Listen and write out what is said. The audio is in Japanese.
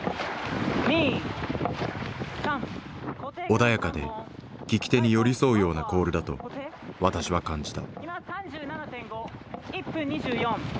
穏やかで聞き手に寄り添うようなコールだと私は感じた。